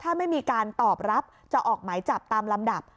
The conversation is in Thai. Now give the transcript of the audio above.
ถ้าไม่มีการตอบรับจะออกหมายจับตามลำดับ